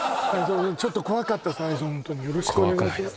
ちょっと怖かった最初ホントによろしくお願いします